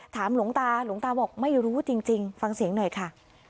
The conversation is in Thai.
หลวงตาหลวงตาบอกไม่รู้จริงฟังเสียงหน่อยค่ะ